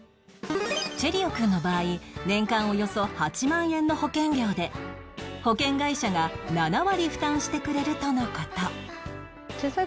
チェリオくんの場合年間およそ８万円の保険料で保険会社が７割負担してくれるとの事